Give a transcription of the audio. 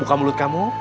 buka mulut kamu